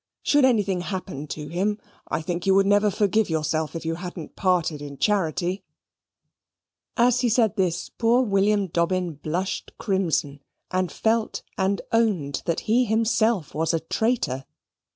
Should anything happen to him, I think you would never forgive yourself if you hadn't parted in charity." As he said this, poor William Dobbin blushed crimson, and felt and owned that he himself was a traitor.